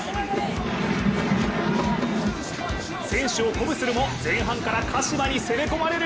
選手を鼓舞するも前半から鹿島に攻め込まれる。